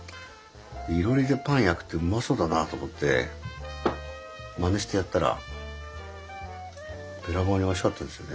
いろりでパン焼くってうまそうだなあと思ってまねしてやったらべらぼうにおいしかったですよね。